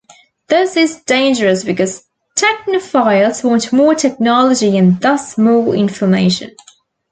This is dangerous because technophiles want more technology and thus more information.